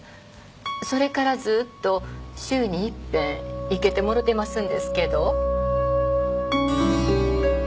それからずっと週に一遍生けてもろてますんですけど。